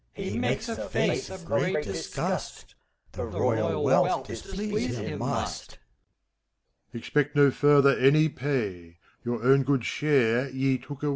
He makes a face Of great disgust; The royal wealth Displease him must. MEPHISTOPHELES. Expect no further Any pay; Your own good share Ye took away.